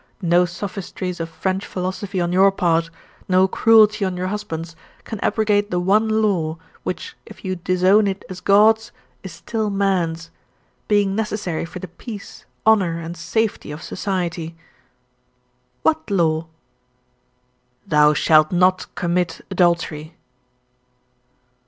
No sophistries of French philosophy on your part, no cruelty on your husband's, can abrogate the one law, which if you disown it as God's, is still man's being necessary for the peace, honour, and safety of society." "What law?" "THOU SHALT NOT COMMIT ADULTERY."